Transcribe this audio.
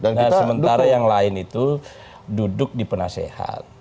nah sementara yang lain itu duduk di penasehat